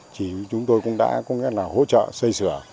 thì chúng tôi cũng đã hỗ trợ xây sửa